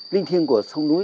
linh thiêng của sông núi